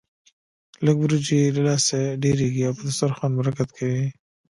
لږ وريجې يې له لاسه ډېرېږي او په دسترخوان برکت کوي.